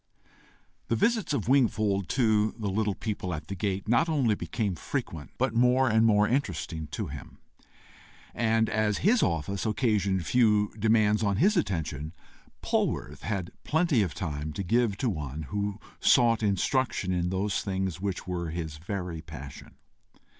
The visits of Wingfold to the little people at the gate not only became frequent, but more and more interesting to him, and as his office occasioned few demands on his attention, Polwarth had plenty of time to give to one who sought instruction in those things which were his very passion.